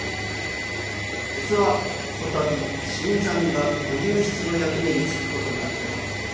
実はこたび新参が御右筆の役目につくことになっての。